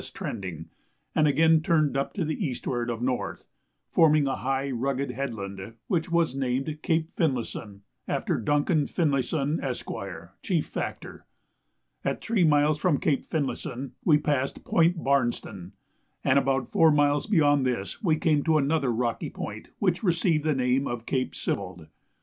trending, and again turned up to the eastward of N., forming a high rugged headland, which was named Cape Finlayson, after Duncan Finlayson, Esq., Chief Factor. At three miles from Cape Finlayson we passed Point Barnston, and about four miles beyond this we came to another rocky point, which received the name of Cape Sibbald.